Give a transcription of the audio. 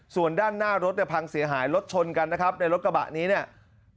ส่วนด้านหน้ารถเนี่ยพังเสียหายรถชนกันนะครับในรถกระบะนี้เนี่ย